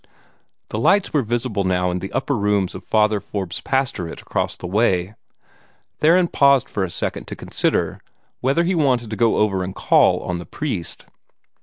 The lights were visible now in the upper rooms of Father Forbes' pastorate across the way. Theron paused for a second to consider whether he wanted to go over and call on the priest.